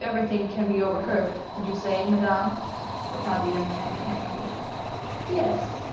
"Everything can be overheard, did you say, Madame?" replied the young man, mechanically. "Yes."